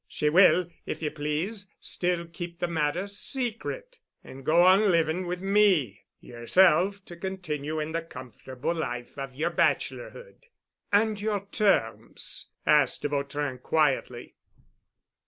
She will, if you please, still keep the matter secret, and go on living with me—yerself to continue in the comfortable life of yer bachelorhood." "And your terms?" asked de Vautrin quietly.